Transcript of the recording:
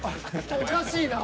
おかしいな。